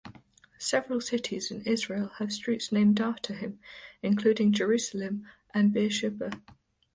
Several cities in Israel have streets named after him, including Jerusalem and Beersheba.